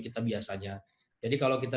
kita biasanya jadi kalau kita